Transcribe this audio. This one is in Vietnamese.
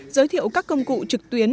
giới thiệu các công cụ trực tuyến